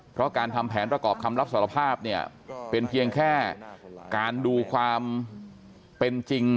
เพราะการทำแผนประกอบคำรับสารภาพเนี่ยเป็นเพียงแค่การดูความเป็นจริง